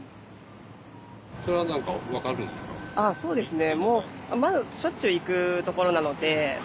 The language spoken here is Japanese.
ああそうですね。